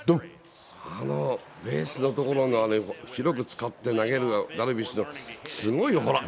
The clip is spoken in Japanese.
あのベースの所の広く使って投げるの、ダルビッシュの、すごいよ、ほら。